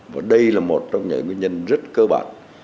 và đây là một trong những nguyên nhân rất cơ bản